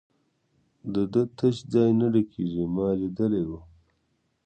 د ده تش ځای نه ډکېږي، ما لیدلی وو.